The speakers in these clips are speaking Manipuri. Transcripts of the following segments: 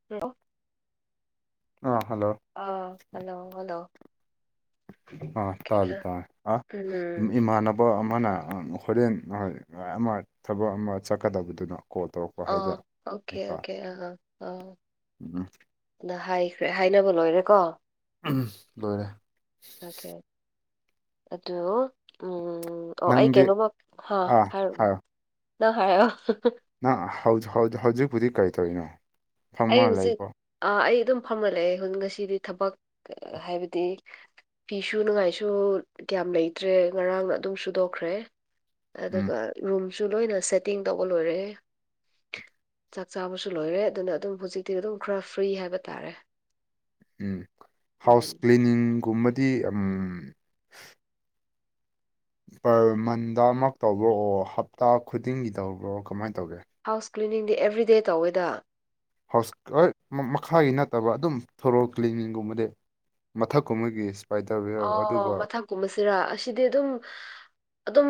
[unintelligible] ꯑꯥ ꯍꯜꯂꯣ ꯑꯥ ꯍꯜꯂꯣ ꯍꯜꯂꯣ ꯑ ꯇꯥꯔꯦ ꯇꯥꯔꯦ ꯑ ꯎꯝ ꯏꯃꯥꯟꯅꯕ ꯑꯃꯅ ꯍꯣꯔꯦꯟ ꯃꯥ ꯊꯕꯛ ꯑꯃ ꯆꯠꯀꯗꯕꯗꯨꯅ ꯀꯣꯜ ꯇꯧꯔꯛ ꯑꯥ ꯑꯣꯀꯦ ꯑꯣꯀꯦ ꯑꯥ ꯑꯥ ꯎꯝ ꯅ ꯍꯥꯏꯈ꯭ꯔꯦ ꯍꯥꯏꯅꯕ ꯂꯣꯏꯔꯦ ꯀꯣ ꯎꯝ ꯂꯣꯢꯔꯦ ꯑꯣꯀꯦ ꯑꯗꯨ ꯎꯝ ꯑꯣ ꯑꯩ ꯅꯪꯗꯤ ꯀꯩꯅꯣꯃ ꯍꯥ ꯑꯥ ꯍꯥꯏꯔꯛꯎ ꯍꯥꯏꯌꯣ ꯅꯪ ꯍꯥꯏꯔꯛꯑꯣ ꯅꯪ ꯍꯧ ꯍꯧ ꯍꯧꯖꯤꯛꯄꯨꯗꯤ ꯀꯩꯇꯧꯔꯤꯅꯣ ꯑꯩ ꯍꯧꯖꯤꯛ ꯑ ꯑꯩ ꯑꯗꯨꯝ ꯐꯝꯂ ꯂꯩꯌꯦ ꯉꯁꯤꯗꯤ ꯊꯕꯛ ꯍꯥꯏꯕꯗꯤ ꯐꯤ ꯁꯨꯅꯤꯡꯉꯥꯏꯁꯨ ꯀꯌꯥꯝ ꯂꯩꯇ꯭ꯔꯦ ꯉꯔꯥꯡꯅ ꯑꯗꯨꯝ ꯁꯨꯗꯣꯛꯈ꯭ꯔꯦ ꯎꯝ ꯑꯗꯨꯒ ꯔꯨꯝ ꯁꯨ ꯂꯣꯏꯅ ꯁꯦꯠꯇꯤꯡ ꯇꯧꯕ ꯂꯣꯏꯔꯛꯑꯦ ꯆꯥꯛ ꯆꯥꯕꯁꯨ ꯂꯣꯏꯔꯦ ꯑꯗꯨꯅ ꯑꯗꯨꯝ ꯍꯧꯖꯤꯛꯇꯤ ꯑꯗꯨꯝ ꯈꯔ ꯐ꯭ꯔꯤ ꯍꯥꯏꯕ ꯇꯥꯔꯦ ꯎꯝ ꯎꯝ ꯍꯥꯎꯁ ꯀ꯭ꯂꯤꯅꯤꯡꯒꯨꯝꯕꯗꯤ ꯑꯝ ꯄꯔ ꯃꯟꯗꯃꯛ ꯇꯧꯕ꯭ꯔꯣꯑꯣ ꯍꯞꯇꯥ ꯈꯨꯗꯤꯡꯒꯤ ꯇꯧꯕ꯭ꯔꯣ ꯀꯃꯥꯏ ꯇꯧꯒꯦ ꯍꯥꯎꯁ ꯀ꯭ꯂꯤꯅꯤꯡꯗꯤ ꯑꯦꯕ꯭ꯔꯤꯗꯦ ꯇꯧꯋꯦꯗ ꯍꯥꯎꯁ ꯍꯣꯏ ꯃꯈꯥꯒꯤ ꯅꯠꯇꯕ ꯑꯗꯨꯝ ꯊꯣꯔꯣꯜ ꯀ꯭ꯂꯤꯅꯤꯡꯒꯨꯝꯕꯗꯤ ꯃꯊꯛꯀꯨꯝꯕꯒꯤ ꯏꯁꯄꯥꯏꯗꯔ ꯋꯦꯌꯔ ꯑꯣ ꯑꯗꯨꯒ ꯃꯊꯛ ꯀꯨꯝꯕꯁꯤꯔꯥ ꯑꯁꯤꯗꯤ ꯑꯗꯨꯝ ꯑꯗꯨꯝ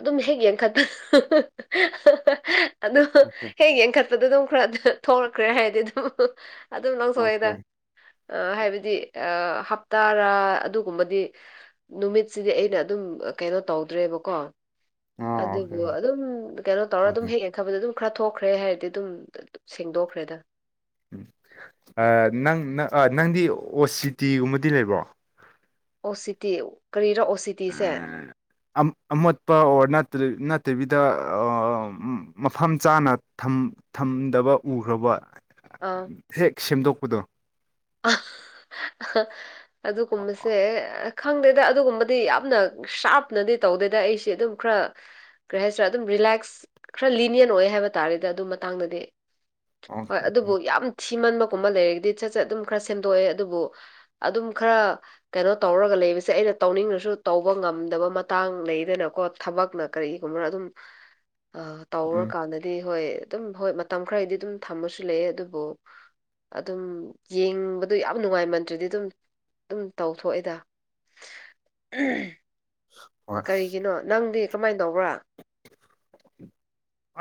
ꯑꯗꯨꯝ ꯍꯦꯛ ꯌꯦꯡꯈꯠ ꯑꯗꯨ ꯑꯣꯀꯦ ꯍꯦꯛ ꯌꯦꯡꯈꯠꯄꯗ ꯑꯗꯨꯝ ꯈꯔ ꯊꯣꯛꯂꯛꯈ꯭ꯔꯦ ꯍꯥꯏꯗꯤ ꯑꯗꯨꯝ ꯑꯗꯨꯝ ꯂꯧꯊꯣꯛꯑꯦꯗ ꯑꯣꯀꯦ ꯑ ꯍꯥꯏꯕꯗꯤ ꯑ ꯍꯞꯇꯥꯗꯥ ꯑꯗꯨꯒꯨꯝꯕꯗꯤ ꯅꯨꯃꯤꯠꯁꯤꯗꯤ ꯑꯩꯅ ꯑꯗꯨꯝ ꯀꯩꯅꯣ ꯇꯧꯗ꯭ꯔꯦꯕꯀꯣ ꯑꯥ ꯑꯣꯀꯦ ꯑꯗꯨꯕꯨ ꯑꯗꯨꯝ ꯀꯩꯅꯣ ꯇꯧꯔꯒ ꯑꯣꯀꯦ ꯑꯗꯨꯝ ꯍꯦꯛ ꯊꯕꯗꯣ ꯑꯗꯨꯝ ꯈꯔ ꯊꯣꯛꯈ꯭ꯔꯦ ꯍꯥꯏꯕꯗꯤ ꯑꯗꯨꯝ ꯁꯦꯡꯗꯣꯛꯈ꯭ꯔꯦꯗ ꯎꯝ ꯅꯪꯪ ꯅꯪꯗꯤ ꯑꯣ ꯁꯤ ꯇꯤꯒꯨꯝꯕꯗꯤ ꯂꯩꯕ꯭ꯔꯣ ꯑꯣꯁꯤ ꯇꯤ ꯀ꯭ꯔꯤꯔ ꯑꯣꯁꯤ ꯇꯤ ꯑꯃꯣꯠꯄ ꯑꯣꯔ ꯅꯠꯇꯕꯤꯗ ꯃꯐꯝ ꯆꯥꯅ ꯊꯝꯗꯕ ꯎꯈ꯭ꯔꯕꯣ ꯑꯥ ꯍꯦꯛ ꯁꯦꯝꯗꯣꯛꯄꯗꯣ [unintelligible] [unintelligible] ꯑꯗꯨꯒꯨꯝꯕꯁꯦ ꯈꯪꯗꯦꯗ ꯑꯗꯨꯒꯨꯝꯕꯗꯤ ꯌꯥꯝꯅ ꯁꯥꯞꯅꯗꯤ ꯇꯧꯗꯦꯗ ꯑꯩꯁꯦ ꯑꯗꯨꯝ ꯈ꯭ꯔꯥ ꯀꯔꯤ ꯍꯥꯏꯁꯤꯔꯥ ꯑꯗꯨꯝ ꯔꯤꯂꯦꯛꯁ ꯈꯔ ꯂꯤꯅꯤꯌꯟ ꯑꯣꯏꯌꯦ ꯍꯥꯏꯕ ꯇꯥꯔꯦꯗ ꯑꯗꯨ ꯃꯇꯥꯡꯗꯗꯤ ꯍꯣꯏ ꯑꯣꯀꯦ ꯑꯗꯨꯕꯨ ꯌꯥꯝ ꯊꯤꯃꯟꯕꯒꯨꯝꯕ ꯂꯩꯔꯗꯤ ꯁꯠ ꯁꯠ ꯑꯗꯨꯝ ꯈꯔ ꯁꯦꯝꯗꯣꯛꯑꯦ ꯑꯗꯨꯕꯨ ꯑꯗꯨꯝ ꯈꯔ ꯀꯩꯅꯣ ꯇꯧꯔꯒ ꯂꯩꯕꯁꯦ ꯑꯩꯅ ꯇꯧꯅꯤꯡꯔꯥꯁꯨ ꯇꯧꯕ ꯉꯝꯗꯕ ꯃꯇꯥꯡ ꯂꯩꯗꯅꯀꯣ ꯊꯕꯛꯅ ꯀꯔꯤꯒꯨꯝꯕꯔꯥ ꯑꯗꯨꯝ [unintelligible] ꯑ ꯇꯧꯔ ꯎꯝ ꯀꯥꯟꯗꯗꯤ ꯍꯣꯏ ꯑꯗꯨꯝ ꯍꯣꯏ ꯃꯇꯝ ꯈꯔꯗꯤ ꯑꯗꯨꯝ ꯊꯝꯕꯥꯁꯨ ꯂꯩꯌꯦ ꯑꯗꯨꯕꯨ ꯑꯗꯨꯝ ꯌꯦꯡꯕꯗꯣ ꯌꯥꯝ ꯅꯨꯡꯉꯥꯏꯃꯟꯗ꯭ꯔꯗꯤ ꯑꯗꯨꯝ ꯑꯗꯨꯝ ꯇꯧꯊꯣꯛ ꯑꯦꯗ ꯎꯝ ꯍꯣꯏ ꯀꯔꯤꯒꯤꯅꯣ ꯅꯪꯗꯤ ꯀꯃꯥꯏ ꯇꯧꯕ꯭ꯔꯥ [unintelligible]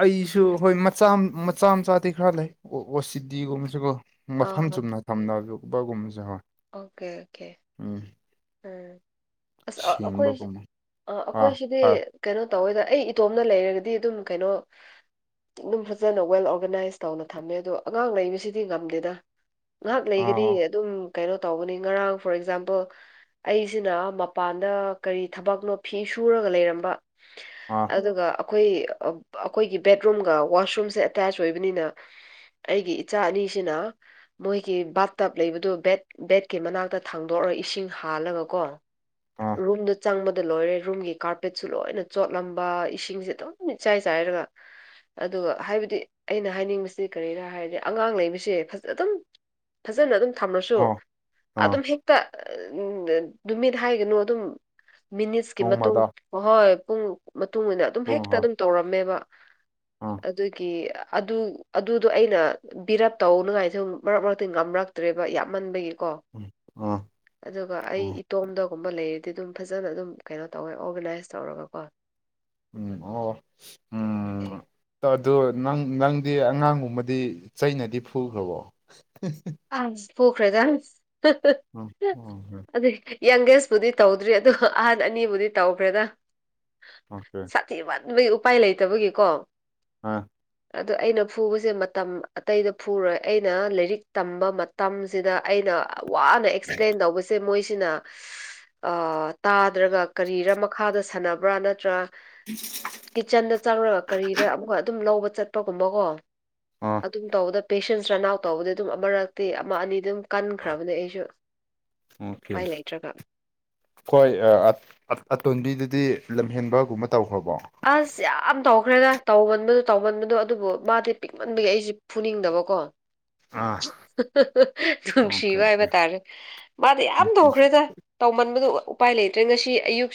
ꯑꯩꯁꯨ ꯍꯣꯏ ꯃꯆꯥ ꯃꯆꯥ ꯃꯆꯥꯗꯤ ꯈꯔ ꯂꯩ ꯑꯣ-ꯁꯤ-ꯗꯤ ꯒꯨꯝꯕꯁꯨ ꯀꯣ ꯃꯐꯝ ꯑꯥ ꯆꯨꯝꯅ ꯊꯝꯅꯔꯛꯄꯒꯨꯝꯖꯨ ꯍꯣꯏ ꯑꯣꯀꯦ ꯑꯣꯀꯦ ꯎꯝ ꯎꯝ ꯑꯁ ꯑꯩꯈꯣꯏ ꯁꯦꯡꯕꯒꯨꯝꯕ ꯑ ꯑꯩꯈꯣꯏ ꯑꯥ ꯁꯤꯗꯤ ꯑꯥ ꯀꯩꯅꯣ ꯇꯧꯋꯦꯗ ꯑꯩ ꯏꯇꯣꯝꯗꯥ ꯂꯩꯔꯒꯗꯤ ꯑꯗꯨꯝ ꯀꯩꯅꯣ ꯑꯗꯨꯝ ꯐꯖꯅ ꯋꯦꯜ ꯑꯣꯔꯒꯅꯥꯏꯁ ꯇꯧꯅ ꯊꯝꯃꯦ ꯑꯗꯣ ꯑꯉꯥꯡ ꯂꯩꯕꯁꯤꯗꯤ ꯉꯝꯗꯦꯗ ꯉꯥꯛ ꯂꯩꯒꯅꯤ ꯑꯥ ꯑꯗꯨꯝ ꯀꯩꯅꯣ ꯇꯧꯒꯅꯤ ꯉꯔꯥꯡ ꯐꯣꯔ ꯑꯦꯛꯖꯥꯝꯄꯜ ꯑꯩꯁꯤꯅ ꯃꯄꯥꯟꯗ ꯀꯔꯤ ꯊꯕꯛꯅꯣ ꯐꯤ ꯁꯨꯔꯒ ꯂꯩꯔꯝꯕ ꯑꯥ ꯑꯗꯨꯒ ꯑꯩꯈꯣꯏ ꯑꯩꯈꯣꯏꯒꯤ ꯕꯦꯠꯔꯨꯝꯒ ꯋꯥꯁꯔꯨꯝꯁꯦ ꯑꯦꯇꯦꯆ ꯑꯣꯏꯕꯅꯤꯅ ꯑꯩꯒꯤ ꯏꯆꯥ ꯑꯅꯤꯁꯤꯅ ꯃꯣꯏꯒꯤ ꯕꯥꯠ ꯇꯞ ꯂꯩꯕꯗꯨ ꯕꯦꯠ ꯕꯦꯠꯀꯤ ꯃꯅꯥꯛꯇ ꯊꯥꯡꯗꯣꯔꯥ ꯏꯁꯤꯡ ꯍꯥꯜꯂꯒ ꯀꯣ ꯑꯥ ꯔꯨꯝꯗꯣ ꯆꯪꯕꯗ ꯂꯣꯏꯔꯦ ꯔꯨꯝꯒꯤ ꯀꯥꯔꯄꯦꯠꯁꯨ ꯂꯣꯏꯅ ꯆꯣꯠꯂꯝꯕ ꯏꯁꯤꯡꯁꯦ ꯑꯗꯨꯝ ꯏꯆꯥꯏ ꯆꯥꯏꯔꯒ ꯑꯗꯨꯒ ꯍꯥꯏꯕꯗꯤ ꯑꯩꯅ ꯍꯥꯏꯅꯤꯡꯕꯁꯤ ꯀꯔꯤꯔꯥ ꯍꯥꯏꯔꯗꯤ ꯑꯉꯥꯡ ꯂꯩꯕꯁꯦ ꯐꯖ ꯑꯗꯨꯝ ꯐꯖꯅ ꯑꯗꯨꯝ ꯊꯝꯔꯥꯁꯨ ꯑꯥ ꯑꯥ ꯑꯗꯨꯝ ꯍꯦꯛꯇ ꯎ ꯎꯝ ꯅꯨꯃꯤꯠ ꯍꯥꯏꯒꯅꯨ ꯑꯗꯨꯝ ꯃꯤꯅꯤꯠꯁꯀꯤ ꯃꯇꯨꯡ ꯅꯣꯡꯃꯗ ꯍ ꯍꯣꯏ ꯄꯨꯡ ꯃꯇꯨꯡ ꯏꯟꯅ ꯑꯗꯨꯝ ꯑꯣ ꯍꯦꯛꯇ ꯍꯣꯏ ꯑꯗꯨꯝ ꯇꯧꯔꯝꯃꯦꯕ ꯑꯥ ꯑꯗꯨꯒꯤ ꯑꯗꯨ ꯑꯗꯨꯗꯣ ꯑꯩꯅ ꯕꯤꯔꯞ ꯇꯧꯅꯉꯥꯏꯁꯨ ꯃꯔꯛ ꯃꯔꯛꯇꯤ ꯉꯝꯔꯛꯇ꯭ꯔꯦꯕ ꯌꯥꯝꯃꯟꯕꯒꯤꯀꯣ ꯎꯝ ꯑꯗꯨꯒ ꯑꯩ ꯏꯇꯣꯝꯗꯒꯨꯝꯕ ꯂꯩꯔꯗꯤ ꯑꯗꯨꯝ ꯐꯖꯅ ꯑꯗꯨꯝ ꯀꯩꯅꯣ ꯇꯧꯔꯒꯥ ꯑꯣꯔꯒꯅꯥꯏꯁ ꯇꯧꯔꯒꯀꯣ ꯎꯝ ꯑꯣ ꯎꯝ ꯑꯗꯨ ꯅꯪ ꯅꯪꯗꯤ ꯑꯉꯥꯡꯒꯨꯝꯕꯗꯤ ꯆꯩꯅꯗꯤ ꯐꯨꯈ꯭ꯔꯕꯣ ꯑꯁ ꯐꯨꯈꯔ꯭ꯦꯗꯥ ꯍꯥ ꯎꯝ ꯎꯝ ꯍꯥ ꯌꯥꯡꯒꯦꯁꯄꯨꯗꯤ ꯇꯧꯗ꯭ꯔꯤ ꯑꯗꯤ ꯑꯍꯟ ꯑꯅꯤꯕꯨꯗꯤ ꯇꯧꯈ꯭ꯔꯦꯗ ꯑꯣꯀꯦ ꯊꯤꯃꯟꯕꯩ ꯎꯄꯥꯏ ꯂꯩꯇꯕꯒꯤꯀꯣ ꯑꯥ ꯑꯗꯣ ꯑꯩꯅ ꯐꯨꯕꯁꯦ ꯃꯇꯝ ꯑꯇꯩꯗ ꯐꯨꯔꯣꯏ ꯑꯩꯅ ꯂꯥꯏꯔꯤꯛ ꯇꯝꯕ ꯃꯇꯝꯁꯤꯗ ꯑꯩꯅ ꯋꯥꯅ ꯑꯦꯛꯁꯄ꯭ꯂꯦꯟ ꯇꯧꯕꯁꯦ ꯃꯣꯏꯁꯤꯅ ꯑꯥ ꯇꯥꯗ꯭ꯔꯥꯒ ꯀꯔꯤꯔꯥ ꯃꯈꯥꯗ ꯁꯥꯟꯅꯕ꯭ꯔꯥ ꯅꯠꯇ꯭ꯔꯥ ꯀꯤꯠꯆꯟꯗ ꯆꯪꯔꯒ ꯀꯔꯤꯔꯥ ꯑꯃꯨꯛꯀꯥ ꯑꯗꯨꯝ ꯂꯧꯕ ꯆꯠ ꯄꯒꯨꯝꯕꯀꯣ ꯑꯥ ꯑꯗꯨꯝ ꯇꯧꯕꯗ ꯄꯦꯁꯦꯟꯁ ꯔꯟ ꯑꯥꯎꯠ ꯇꯧꯕꯗꯤ ꯑꯗꯨꯝ ꯑꯃꯔꯛꯇꯤ ꯑꯃ ꯑꯅꯤ ꯑꯗꯨꯝ ꯀꯟꯈ꯭ꯔꯥꯕꯅꯦ ꯑꯩꯁꯨ ꯎꯄꯥꯏ ꯂꯩꯇ꯭ꯔꯥꯒ ꯈꯣꯏ ꯑꯥ ꯑꯇꯣꯟꯕꯤꯗꯨꯗꯤ ꯂꯝꯍꯦꯟꯕꯒꯨꯝꯕ ꯇꯧꯈ꯭ꯔꯥꯕꯣ ꯑꯁ ꯌꯥꯝ ꯇꯧꯈ꯭ꯔꯦꯗ ꯇꯧꯃꯟꯕꯗꯣ ꯇꯧꯃꯟꯕꯗꯣ ꯑꯗꯨꯕꯨ ꯃꯥꯗꯤ ꯄꯤꯛꯃꯟꯕꯒꯤ ꯑꯩꯖꯦ ꯐꯨꯅꯤꯡꯗꯕꯀꯣ [inaudible] ꯑꯣꯀꯦ ꯅꯨꯡꯁꯤꯕ ꯍꯥꯏꯕ ꯇꯥꯔꯦ ꯃꯥꯗꯤ ꯌꯥꯝ ꯇꯧꯈ꯭ꯔꯦꯗ ꯇꯧꯃꯟꯕꯗꯣ ꯎꯄꯥꯏ ꯂꯩꯇ꯭ꯔꯦ ꯉꯁꯤ ꯑꯌꯨꯛ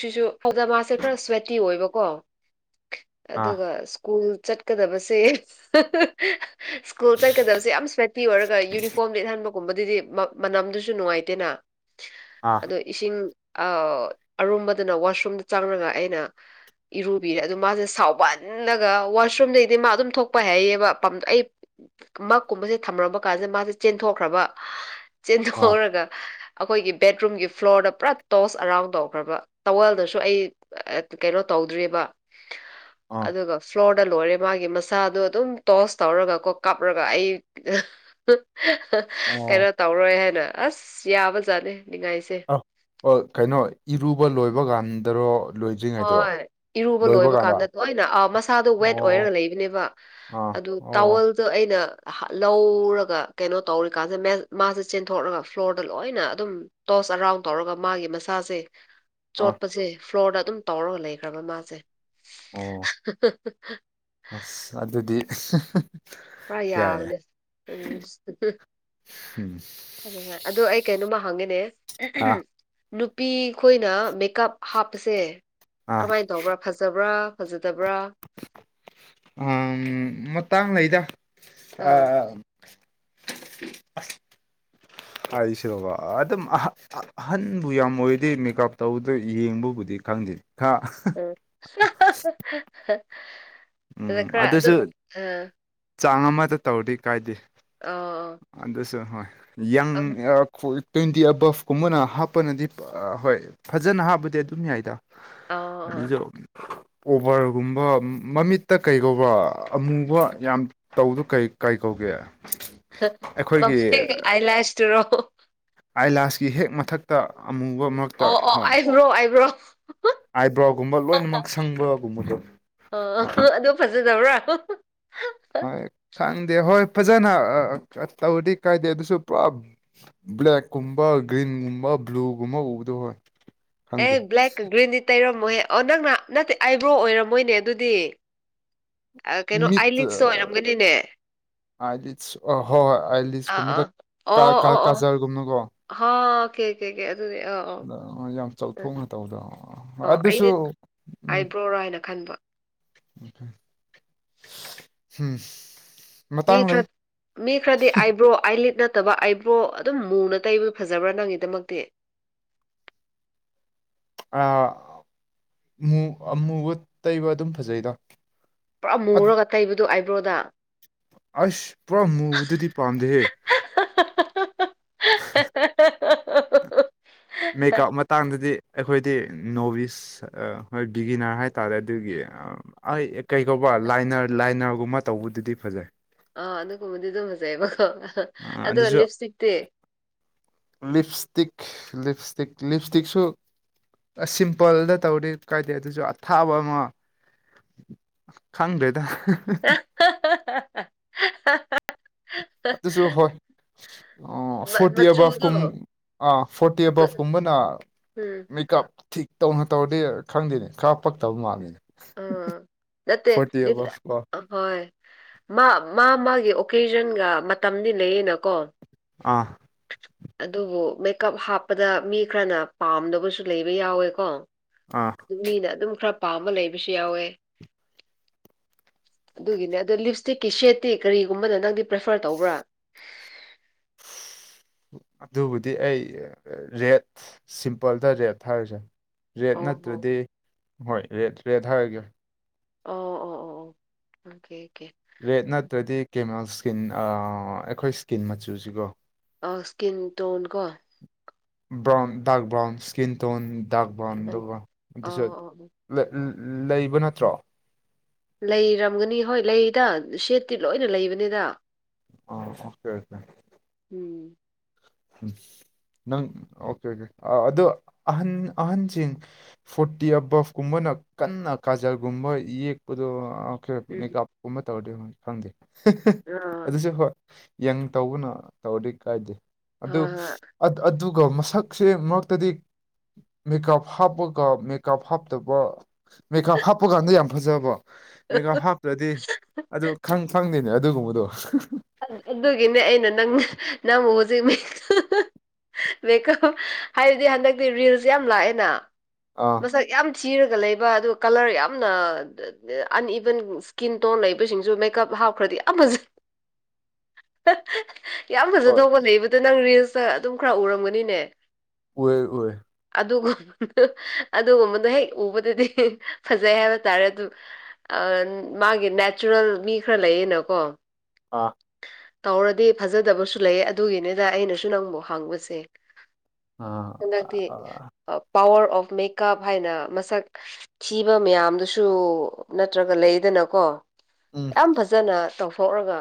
ꯁꯤꯁꯨ ꯐꯧꯗ ꯃꯥꯁꯦ ꯈꯔ ꯁ꯭ꯋꯦꯇꯤ ꯑꯣꯏꯕꯀꯣ ꯑꯥ ꯑꯗꯨꯒ ꯁ꯭ꯀꯨꯜ ꯆꯠꯀꯥꯗꯕꯁꯦ ꯁ꯭ꯀꯨꯜ ꯆꯠꯀꯥꯗꯕꯁꯦ ꯌꯥꯝ ꯁ꯭ꯋꯦꯇꯤ ꯑꯣꯏꯔꯒ ꯌꯨꯅꯤꯐꯣꯔꯝ ꯂꯤꯠꯍꯟꯕ ꯒꯨꯨꯝꯕꯗꯨꯗꯤ ꯃꯥ ꯃꯅꯝꯗꯨꯁꯨ ꯅꯨꯡꯉꯥꯏꯇꯦꯅ ꯑꯥ ꯑꯗꯣ ꯏꯁꯤꯡ ꯑꯥ ꯑꯔꯨꯝꯕꯗꯨꯅ ꯋꯥꯁꯔꯨꯝꯗ ꯆꯪꯔꯒ ꯑꯩꯅ ꯏꯔꯨꯕꯤꯔꯦ ꯑꯗꯨ ꯃꯥꯖꯦ ꯁꯥꯎꯕꯟꯂꯒ ꯋꯥꯁꯔꯨꯝꯗꯩꯗꯤ ꯃꯥ ꯑꯗꯨꯝ ꯊꯣꯛꯄ ꯍꯥꯏꯌꯦꯕ ꯄꯝ ꯑꯩ ꯃꯛꯀꯨꯝꯕꯖꯦ ꯊꯝꯔꯝꯕ ꯀꯥꯟꯖꯤꯗ ꯃꯥꯖꯦ ꯆꯦꯟꯊꯣꯛꯈ꯭ꯔꯥꯕ ꯑꯥ ꯆꯦꯟꯊꯣꯛꯔꯥꯒ ꯑꯩꯈꯣꯏꯒꯤ ꯕꯦꯗꯔꯨꯝꯒꯤ ꯐ꯭ꯂꯣꯔꯗ ꯄꯨꯔꯥ ꯇꯣꯁ ꯑꯔꯥꯎꯟ ꯗꯧ ꯈ꯭ꯔꯥꯕ ꯇꯋꯦꯜꯗꯁꯨ ꯑꯩ ꯀꯩꯅꯣ ꯇꯧꯗ꯭ꯔꯤꯑꯕ ꯑꯥ ꯑꯗꯨꯒ ꯐ꯭ꯂꯣꯔꯗ ꯂꯣꯏꯔꯦ ꯃꯥꯒꯤ ꯃꯁꯥꯗꯣ ꯑꯗꯨꯝ ꯇꯣꯁ ꯇꯧꯔꯒ ꯀꯣ ꯀꯥꯞꯔꯒ ꯑꯩ [unintelligible] ꯑꯣ ꯀꯩꯅꯣ ꯇꯧꯔꯣꯏ ꯍꯥꯏꯅ ꯑꯁ ꯌꯥꯕꯖꯥꯠꯅꯤ ꯅꯤꯡꯉꯥꯏꯁꯦ ꯑꯣ ꯀꯩꯅꯣ ꯏꯔꯨꯕ ꯂꯣꯏꯕ ꯒꯥꯟꯗꯔꯣ ꯍꯣꯏ ꯏꯔꯨꯕ ꯂꯣꯏꯕ ꯀꯥꯟꯗ ꯂꯣꯏꯅ ꯑꯥ ꯃꯁꯥꯗꯣ ꯋꯦꯠ ꯑꯣ ꯑꯣꯏꯔꯒ ꯂꯩꯕꯅꯦꯕ ꯑꯥ ꯑꯗꯨ ꯑꯣ ꯇꯥꯋꯜ ꯇꯣ ꯑꯩꯅ ꯂꯧꯔꯒ ꯀꯩꯅꯣ ꯇꯧꯔꯤꯀꯥꯟꯖꯦ [unintelligible] ꯃꯥꯁꯦ ꯆꯦꯟꯊꯣꯛꯔꯒ ꯐ꯭ꯂꯣꯔꯗ ꯂꯣꯏꯅ ꯑꯗꯨꯝ ꯇꯣꯁ ꯑꯔꯥꯎꯟ ꯇꯧꯔꯒ ꯃꯥꯒꯤ ꯃꯁꯥꯁꯦ ꯑꯥ ꯆꯣꯠꯄꯁꯦ ꯐ꯭ꯂꯣꯔꯗ ꯑꯗꯨꯝ ꯇꯧꯔꯒ ꯂꯩꯈ꯭ꯔꯥꯕ ꯃꯥꯖꯦ ꯑꯣ ꯑꯁ ꯑꯗꯨꯗꯤ ꯄꯨꯔꯥ ꯌꯥꯏ ꯌꯥꯕꯅꯦ ꯎꯝ ꯎꯝ ꯑꯗꯨꯅ ꯑꯗꯣ ꯑꯩ ꯀꯩꯅꯣꯝꯃ ꯍꯪꯉꯦꯅꯦ ꯑꯥ ꯅꯨꯄꯤ ꯈꯣꯏꯅ ꯃꯦꯀꯞ ꯍꯥꯞꯄꯁꯦ ꯑꯥ ꯀꯃꯥꯏꯟ ꯇꯧꯕ꯭ꯔꯥ ꯐꯖꯕ꯭ꯔꯥ ꯐꯖꯗꯕ꯭ꯔꯥ ꯎꯝ ꯃꯇꯥꯡ ꯂꯩꯗ ꯑꯥ ꯑꯁ ꯑꯥꯏꯁꯨꯕ ꯑꯗꯨꯝ ꯑꯍꯥ ꯑꯍꯟꯕꯨ ꯌꯥꯝ ꯑꯣꯏꯗꯤ ꯃꯦꯀꯞ ꯇꯧꯕꯗ ꯌꯦꯡꯕꯕꯨꯗꯤ ꯈꯪꯗꯦ ꯈꯥ ꯑꯗꯨꯗ ꯎꯝ ꯈꯔ ꯑꯗꯨꯁꯨ ꯑꯗꯨꯝ ꯑꯥ ꯆꯥꯡ ꯑꯃꯗ ꯇꯧꯔꯗꯤ ꯀꯥꯏꯗꯦ ꯑꯣ ꯑꯣ ꯑꯗꯨꯁꯨ ꯍꯣꯏ ꯌꯪ ꯑꯥ ꯈꯣꯏ ꯇ꯭ꯋꯦꯟꯇꯤ ꯑꯕꯞꯀꯨꯝꯕꯅ ꯍꯥꯞꯄꯅꯗꯤ ꯍꯣꯏ ꯐꯖꯅ ꯍꯥꯞꯄꯗꯤ ꯑꯗꯨꯝ ꯌꯥꯏꯗ ꯑꯣ ꯑꯗꯨꯖꯨ ꯑꯣꯕꯔꯒꯨꯝꯕ ꯃꯃꯤꯠ ꯍꯛꯇ ꯀꯩ ꯀꯧꯕꯔ ꯑꯃꯨꯕ ꯌꯥꯝ ꯇꯧꯕꯗꯨ ꯀꯩ ꯀꯩ ꯀꯧꯒꯦ ꯑꯩꯈꯣꯏꯒꯤ [inaudible] ꯑꯥꯏ ꯂꯁ ꯇꯨꯔꯣ ꯑꯥꯏꯂꯥꯁꯀꯤ ꯍꯦꯛ ꯃꯊꯛꯇ ꯑꯃꯨꯕ ꯃꯔꯛꯇ ꯑꯣ ꯑꯣ ꯍꯣꯏ ꯑꯕ꯭ꯔꯣ ꯑꯕ꯭ꯔꯣ ꯑꯥꯏꯕ꯭ꯔꯣꯒꯨꯝꯕ ꯂꯣꯏꯅꯃꯛ ꯁꯪꯕꯔꯒꯨꯝꯕꯗꯣ ꯐꯖꯗꯕꯔꯥ ꯍꯣꯏ ꯈꯪꯗꯦ ꯍꯣꯏ ꯐꯖꯅ ꯇꯧꯗꯤ ꯀꯥꯏꯗꯦ ꯑꯗꯨꯁꯨ ꯄꯨꯔꯥ ꯕ꯭ꯂꯦꯛꯀꯨꯝꯕ ꯒ꯭ꯔꯤꯟꯒꯨꯝꯕ ꯕ꯭ꯂꯨꯒꯨꯝꯕ ꯎꯕꯗꯣ ꯍꯣꯏ ꯑꯦ ꯈꯪꯗꯦ ꯕ꯭ꯂꯦꯛꯀ ꯒ꯭ꯔꯤꯟꯗꯤ ꯇꯩꯔꯝꯃꯣꯍꯦ ꯑꯣ ꯅꯪꯅ ꯅꯠꯇꯦ ꯑꯥꯏꯕ꯭ꯔꯣ ꯑꯣꯏꯔꯝꯃꯣꯏꯅꯦ ꯑꯗꯨꯗꯤ ꯀꯩꯅꯣ ꯑꯥꯏ ꯂꯤꯠꯇ ꯑꯣꯏꯔꯝꯒꯅꯤꯅꯦ ꯑꯥꯏ ꯂꯤꯠꯁ ꯑ ꯍꯣꯏ ꯍꯣꯏ ꯑꯥꯏ ꯑꯥ ꯂꯤꯠꯁꯀꯨꯝꯕꯗ ꯑꯥ ꯀꯥ ꯑꯣ ꯀꯥ ꯑꯣ ꯑꯣ ꯀꯥꯖꯔꯒꯨꯝꯕꯀꯣ ꯍꯥ ꯀꯦ ꯀꯦꯀꯦ ꯑꯗꯨꯅꯦ ꯑ ꯑ ꯌꯥꯝ ꯆꯥꯎꯊꯣꯛꯅ ꯇꯧꯕꯔꯣ ꯑꯗꯨꯁꯨ ꯑꯥꯏꯕ꯭ꯔꯣ ꯔꯥ ꯍꯥꯏꯅ ꯈꯟꯕ ꯍꯝ ꯃꯤꯈꯔ ꯃꯤ ꯈꯔꯗꯤ ꯑꯥꯏꯕ꯭ꯔꯣ ꯑꯥꯏ ꯂꯤꯠ ꯅꯠꯇꯕ ꯑꯥꯏꯕ꯭ꯔꯣ ꯑꯗꯨꯝ ꯃꯨꯅ ꯇꯩꯕ ꯐꯖꯕ꯭ꯔꯥ ꯅꯪꯒꯤꯗꯃꯛꯇꯤ ꯑꯥ ꯑꯨ ꯑꯃꯨꯕ ꯇꯩꯕ ꯑꯗꯨꯝ ꯐꯖꯩꯗꯥ ꯄꯨꯔꯥ ꯃꯨꯔꯒ ꯇꯩꯕꯗꯨ ꯑꯥꯏꯕ꯭ꯔꯣꯗ ꯑꯁ ꯄꯨꯔꯥ ꯃꯨꯕꯗꯨꯗꯤ ꯄꯥꯝꯗꯦꯍꯦ ꯍ [inaudible] ꯃꯦꯀꯞ ꯃꯇꯥꯡꯗꯗꯤ ꯑꯩꯈꯣꯏꯗꯤ ꯅꯣꯚꯤꯁ ꯍꯣꯏ ꯒꯤꯒꯤꯅꯔ ꯍꯥꯏꯇꯥꯔꯦ ꯑꯗꯨꯒꯤ ꯑꯩ ꯀꯩꯕ ꯂꯥꯏꯅꯔ ꯂꯥꯏꯅꯔꯒꯨꯝꯕ ꯇꯧꯕꯗꯨꯗꯤ ꯐꯖꯩ ꯑꯥ ꯑꯗꯨꯒꯨꯝꯕꯗꯤ ꯑꯗꯨꯝ ꯐꯖꯩꯑꯦꯕꯀꯣ ꯑꯗꯨ ꯂꯤꯞꯁꯇꯤꯛꯇꯤ ꯂꯤꯞꯁꯇꯛ ꯂꯤꯞꯁꯇꯛ ꯂꯤꯞꯁꯇꯛꯁꯨ ꯑꯁ ꯁꯤꯝꯄꯜꯗ ꯇꯧꯔꯤ ꯀꯥꯏꯗꯦ ꯑꯗꯨꯁꯨ ꯑꯊꯥꯕ ꯑꯃ ꯈꯪꯗ꯭ꯔꯦꯗ [inaudible] ꯑꯗꯨꯁꯨ ꯍꯣꯏ ꯑꯣ ꯐꯣꯔꯇꯤ ꯑꯦꯕꯞ ꯃꯆꯨꯗꯣ ꯀꯨꯝ ꯑꯥ ꯐꯣꯔꯇꯤ ꯃ- ꯑꯦꯕꯞ ꯀꯨꯝꯕ ꯅ ꯎꯝ ꯃꯦꯀꯞ ꯊꯤꯛ ꯇꯧꯅ ꯇꯧꯔꯗꯤ ꯈꯪꯗꯦꯅꯦ ꯈꯔ ꯄꯛꯇꯕ ꯃꯥꯜꯂꯤꯅꯦ ꯑꯥ ꯅꯠꯇꯦ ꯐꯣꯔꯇꯤ ꯑꯕꯞ ꯀꯣ [inaudible] ꯍꯣꯏ ꯃꯥ ꯃꯥ ꯃꯥꯒꯤ ꯑꯣꯀꯦꯖꯟꯒ ꯃꯇꯝꯗꯤ ꯂꯩꯌꯦꯅꯀꯣ ꯑꯥ ꯑꯗꯨꯕꯨ ꯃꯦꯀꯞ ꯍꯥꯞꯄꯗ ꯃꯤ ꯈꯔꯅ ꯄꯥꯝꯗꯕꯁꯨ ꯂꯩꯕ ꯌꯥꯎꯋꯦꯀꯣ ꯑꯥ ꯃꯤꯅ ꯑꯗꯨꯝ ꯈꯔ ꯄꯥꯝꯕ ꯂꯩꯕꯁꯨ ꯌꯥꯎꯋꯦ ꯑꯗꯨꯒꯤꯅꯦ ꯑꯗꯣ ꯂꯤꯞꯁꯇꯤꯛꯀꯤ ꯁꯦꯠꯇꯤ ꯀꯔꯤꯒꯨꯝꯕꯅ ꯅꯪꯗꯤ ꯄ꯭ꯔꯦꯐꯔ ꯇꯧꯕ꯭ꯔꯥ ꯑꯗꯨꯕꯨꯗꯤ ꯑꯩ ꯔꯦꯠ ꯁꯤꯝꯄꯜꯗ ꯔꯦꯠ ꯊꯥꯔꯁꯦ ꯔꯦꯠ ꯑꯣ ꯍꯣ ꯅꯠꯇ꯭ꯔꯗꯤ ꯍꯣꯏ ꯔꯦꯠ ꯔꯦꯠ ꯍꯥꯏꯔꯒꯦ ꯑꯣ ꯑꯣ ꯑꯣ ꯑꯣ ꯑꯣꯀꯦ ꯑꯣꯀꯦ ꯔꯦꯠ ꯅꯠꯇ꯭ꯔꯗꯤ ꯀꯦꯃꯦꯜ ꯁ꯭ꯀꯤꯟ ꯑꯩꯈꯣꯏ ꯁ꯭ꯀꯤꯟ ꯃꯆꯨꯁꯤꯒꯣ ꯏꯁꯀꯤꯟ ꯇꯣꯟ ꯀꯣ brown dark brown skin tone dark brown ꯎꯝ ꯑꯗꯨꯒ ꯑꯗꯨꯁꯨ ꯑꯣ ꯑꯣ ꯑꯣ ꯂꯩꯕ ꯅꯠꯇ꯭ꯔꯣ ꯂꯩꯔꯝꯒꯅꯤ ꯍꯣꯏ ꯂꯩꯗ ꯁꯦꯠꯇꯤ ꯂꯣꯏꯅ ꯂꯩꯕꯅꯤꯗ ꯑ ꯑꯣꯀꯦ ꯑꯣꯀꯦ ꯎꯝ ꯅꯪ ꯑꯣꯀꯦ ꯑꯣꯀꯦ ꯑꯗꯣ ꯑꯍꯟ ꯑꯍꯟꯁꯤꯡ ꯐꯣꯔꯇꯤ ꯑꯕꯞꯀꯨꯝꯕꯅ ꯀꯟꯅ ꯀꯥꯖꯜꯒꯨꯝꯕ ꯌꯦꯛꯄꯗꯣ ꯈꯔ ꯎꯝ ꯃꯦꯀꯞꯀꯨꯝꯕ ꯇꯧꯔꯗꯤ ꯈꯪꯗꯦ ꯑꯥ ꯑꯗꯨꯁꯨ ꯍꯣꯏ ꯌꯪ ꯇꯧꯕꯅ ꯇꯧꯔꯗꯤ ꯀꯥꯏꯗꯦ ꯑꯗꯨ ꯍꯣꯏ ꯍꯣꯏ ꯑꯗꯨꯒ ꯃꯁꯛꯁꯦ ꯃꯔꯛꯇꯗꯤ ꯃꯦꯀꯞ ꯍꯥꯞꯄꯒ ꯃꯦꯀꯞ ꯍꯥꯞꯇꯕ ꯃꯦꯀꯞ ꯍꯥꯞꯄꯀꯥꯟꯗ ꯌꯥꯝ ꯐꯖꯕ ꯃꯦꯒꯞ ꯍꯥꯞꯇ꯭ꯔꯗꯤ ꯑꯗꯨ ꯈꯪ ꯐꯪꯗꯦꯅꯦ ꯑꯗꯨꯒꯨꯝꯕꯗꯣ ꯑꯗꯨꯒꯤꯅꯦ ꯑꯩꯅ ꯅꯪ ꯅꯪꯕꯨ ꯍꯧꯖꯤꯛ ꯃꯦꯀꯞ ꯍꯥꯏꯕꯗꯤ ꯍꯟꯗꯛꯇꯤ ꯔꯤꯜꯖꯦ ꯌꯥꯝ ꯂꯥꯛꯑꯦꯅ ꯑꯥ ꯃꯁꯛ ꯌꯥꯝ ꯊꯤꯔꯒ ꯂꯩꯕ ꯑꯗꯨꯒ ꯀꯂꯔ ꯌꯥꯝꯅ ꯑꯟꯏꯕꯟ ꯁ꯭ꯀꯤꯟ ꯇꯣꯟ ꯂꯩꯕꯁꯤꯡꯁꯨ ꯃꯦꯀꯞ ꯍꯥꯞꯈ꯭ꯔꯗꯤ ꯌꯥꯝ ꯐꯖꯩ ꯌꯥꯝ ꯐꯖ ꯍꯣꯏ ꯗꯧꯕ ꯂꯩꯕꯗ ꯅꯪ ꯔꯤꯜꯁꯇ ꯑꯗꯨꯝ ꯈꯔ ꯎꯔꯝꯒꯅꯤꯅꯦ ꯎꯔꯦ ꯎꯌꯦ ꯑꯗꯨꯒꯨꯝ ꯑꯗꯨꯒꯨꯝꯕꯗꯣ ꯍꯦꯛ ꯎꯕꯗꯗꯤ ꯐꯖꯩ ꯍꯥꯏꯕ ꯇꯥꯔꯦ ꯑꯗꯨ ꯃꯥꯒꯤ ꯅꯦꯆꯔꯦꯜ ꯃꯤ ꯈꯔ ꯂꯩꯌꯦꯅꯀꯣ ꯑꯥ ꯇꯧꯔꯗꯤ ꯐꯖꯗꯕꯁꯨ ꯂꯩ ꯑꯗꯨꯒꯤꯅꯤꯗ ꯑꯩꯅꯁꯨ ꯅꯪꯕꯨ ꯍꯥꯡꯕꯁꯦ ꯑ ꯍꯟꯗꯛꯇꯤ ꯄꯋꯥꯔ ꯑꯣꯐ ꯃꯦꯀꯞ ꯍꯥꯏꯅ ꯃꯁꯛ ꯊꯤꯕ ꯃꯌꯥꯝꯗꯨꯁꯨ ꯅꯠꯇ꯭ꯔꯒ ꯂꯩꯗꯅꯀꯣ ꯎꯝ ꯌꯥꯝ ꯐꯖꯅ ꯇꯧꯊꯣꯛꯂꯒ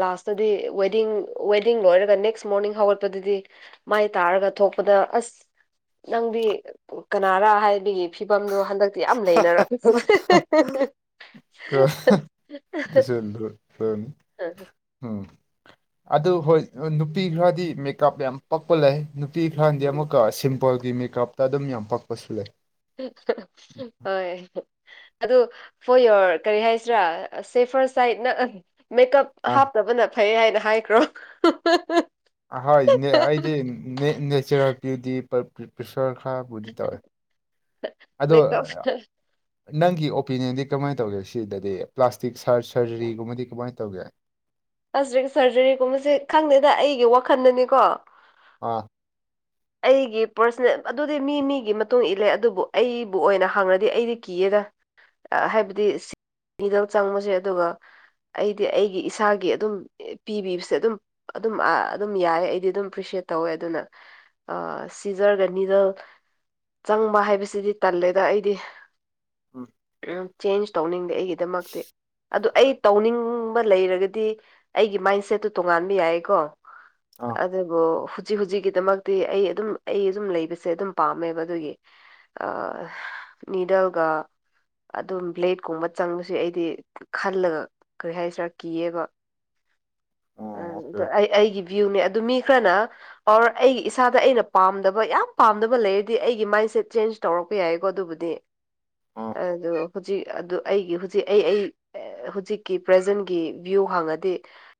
ꯂꯥꯁꯇꯗꯤ ꯋꯦꯗꯤꯡ ꯋꯦꯗꯤꯡ ꯂꯣꯏꯔꯒ ꯅꯦꯛꯁ ꯃꯣꯔꯅꯤꯡ ꯍꯧꯒꯠꯄꯗꯗꯤ ꯃꯥꯏ ꯇꯥꯔꯒ ꯊꯣꯛꯄꯗ ꯑꯁ ꯅꯪꯗꯤ ꯀꯅꯥꯔ ꯍꯥꯏꯔꯗꯤ ꯐꯤꯕꯝꯗꯣ ꯍꯟꯗꯛꯇꯤ ꯌꯥꯝ ꯂꯩꯅꯔ [unintelligible] [inaudible] ꯎꯝ ꯑꯗꯨ ꯍꯣꯏ ꯅꯨꯄꯤ ꯈꯔꯗꯤ ꯃꯦꯀꯞ ꯌꯥꯝ ꯄꯛꯄ ꯂꯩ ꯅꯨꯄꯤ ꯈꯔꯅꯗꯤ ꯑꯃꯨꯛꯀ ꯁꯤꯝꯄꯜꯒꯤ ꯃꯦꯀꯞꯇ ꯑꯗꯨꯝ ꯌꯥꯝ ꯄꯛꯄꯁꯨ ꯂꯩ ꯍꯣꯏ ꯑꯗꯨ ꯐꯣꯔ ꯌꯣꯔ ꯀꯔꯤ ꯍꯥꯏꯁꯤꯔꯥ ꯁꯦꯐꯔ ꯁꯥꯏꯠ ꯃꯦꯀꯞ ꯍꯥꯞꯅꯕꯅ ꯐꯩ ꯍꯥꯏꯅ ꯍꯥꯏꯈ꯭ꯔꯣ ꯑꯍꯣꯏ ꯑꯩꯗꯤ ꯅꯦꯆꯔꯦꯜ ꯕ꯭ꯌꯨꯇꯤ ꯄꯦꯁꯣꯔ ꯈꯔꯕꯨꯗꯤ ꯇꯧꯋꯦ ꯑꯗꯣ ꯃꯦꯀꯞ ꯅꯪꯒꯤ ꯑꯣꯄꯤꯅꯤꯌꯟꯗꯤ ꯀꯃꯥꯏꯅ ꯇꯧꯒꯦ ꯁꯤꯗꯗꯤ ꯄ꯭ꯂꯥꯁꯇꯤꯛ ꯁꯔꯖꯔꯤꯒꯨꯝꯕꯗꯤ ꯀꯃꯥꯏꯅ ꯇꯧꯒꯦ ꯑꯁ ꯁꯔꯖꯔꯤꯒꯨꯝꯕꯁꯦ ꯈꯪꯗꯦꯗ ꯑꯩꯒꯤ ꯋꯥꯈꯟꯗꯅꯤꯀꯣ ꯑꯥ ꯑꯩꯒꯤ ꯄꯔꯁꯅꯦꯜ ꯑꯗꯨꯗꯤ ꯃꯤ ꯃꯤꯒꯤ ꯃꯇꯨꯡ ꯏꯜꯂꯦ ꯑꯗꯨꯕꯨ ꯑꯩꯕꯨ ꯑꯣꯏꯅ ꯍꯪꯉꯗꯤ ꯑꯩꯗꯤ ꯀꯤꯌꯦꯗ ꯑꯥ ꯍꯥꯏꯕꯗꯤ ꯁꯤꯠ ꯅꯤꯗꯜ ꯆꯪꯕꯁꯦ ꯑꯗꯨꯒ ꯑꯩꯗꯤ ꯑꯩꯒꯤ ꯏꯁꯥꯒꯤ ꯑꯗꯨꯝ ꯑꯦ ꯄꯤꯕꯤꯕꯁꯦ ꯑꯗꯨꯝ ꯑꯗꯨꯝ ꯑꯥ ꯑꯗꯨꯝ ꯌꯥꯏ ꯑꯩꯗꯤ ꯑꯗꯨꯝ ꯑꯦꯄ꯭ꯔꯤꯁꯦꯠ ꯇꯧꯋꯦ ꯑꯗꯨꯅ ꯑꯥ ꯁꯤꯖꯔꯒ ꯅꯤꯗꯜ ꯆꯪꯕ ꯍꯥꯏꯕꯁꯤꯗꯤ ꯇꯜꯂꯦꯗ ꯑꯩꯗꯤ ꯎꯝ ꯎꯝ ꯆꯦꯟꯖ ꯇꯧꯅꯤꯡꯗꯦ ꯑꯩꯒꯤꯗꯃꯛꯇꯤ ꯑꯗꯨ ꯑꯩ ꯇꯧꯅꯤꯡꯕ ꯂꯩꯔꯒꯗꯤ ꯑꯩꯒꯤ ꯃꯥꯏꯟ ꯁꯦꯠꯇꯨ ꯇꯣꯉꯥꯟꯕ ꯌꯥꯏꯀꯣ ꯑꯥ ꯑꯗꯨꯕꯨ ꯍꯨꯖꯤꯛ ꯍꯨꯖꯤꯛꯀꯤ ꯗꯃꯛ ꯗꯤ ꯑꯩ ꯑꯗꯨꯝ ꯑꯩ ꯑꯗꯨꯝ ꯂꯩꯕꯁꯦ ꯑꯗꯨꯝ ꯄꯥꯝꯃꯦꯕ ꯑꯗꯨꯒꯤ ꯑꯥ ꯍꯥ ꯅꯤꯗꯜꯒ ꯑꯗꯨꯝ ꯕ꯭ꯂꯦꯗꯀꯨꯝꯕ ꯆꯪꯕꯁꯦ ꯑꯩꯗꯤ ꯈꯜꯂꯒ ꯀꯔꯤ ꯍꯥꯏꯁꯤꯔꯥ ꯀꯤꯌꯦꯕ ꯑꯣ ꯑ ꯑꯣꯀꯦ ꯗꯨ ꯑꯩ ꯑꯩꯒꯤ ꯚ꯭ꯌꯨꯅꯦ ꯑꯗꯨ ꯃꯤ ꯈꯔꯅ ꯑꯣꯔ ꯑꯩꯒꯤ ꯏꯁ ꯏꯁꯥꯗ ꯑꯩꯅ ꯄꯥꯝꯗꯕ ꯌꯥꯝ ꯄꯥꯝꯗꯕ ꯂꯩꯔꯗꯤ ꯑꯩꯒꯤ ꯃꯥꯏꯟꯁꯦꯠ ꯆꯦꯟꯖ ꯇꯧꯔꯛꯄ ꯌꯥꯏꯀꯣ ꯑꯗꯨꯕꯨꯗꯤ ꯑꯥ ꯑꯗꯨ ꯍꯨꯖꯤꯛ ꯑꯗꯨ ꯑꯩꯒꯤ ꯍꯨꯖꯤꯛ ꯑꯩ ꯑꯩ ꯑꯦ ꯍꯨꯖꯤꯛꯀꯤ ꯄ꯭ꯔꯖꯦꯟꯒꯤ ꯚ꯭ꯌꯨ ꯍꯪꯉꯗꯤ